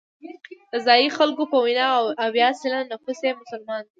د ځایي خلکو په وینا اویا سلنه نفوس یې مسلمانان دي.